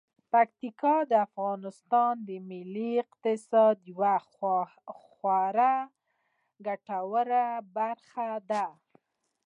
پکتیکا د افغانستان د ملي اقتصاد یوه خورا ګټوره برخه ده.